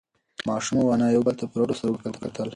ماشوم او انا یو بل ته په رډو سترگو کتل.